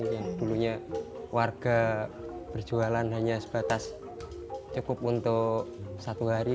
yang dulunya warga berjualan hanya sebatas cukup untuk satu hari